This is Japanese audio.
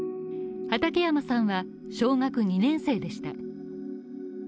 畠山さんは小学２年生でした。